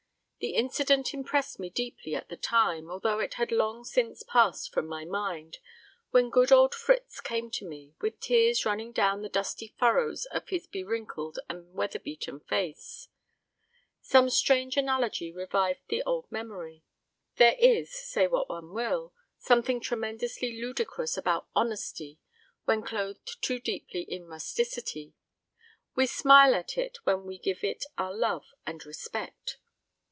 The incident impressed me deeply at the time, although it had long since passed from my mind, when good old Fritz came to me, with tears running down the dusty furrows of his be wrinkled and weather beaten face. Some strange analogy revived the old memory. There is say what one will something tremendously ludicrous about honesty when clothed too deeply in rusticity. We smile at it while we give it our love and respect.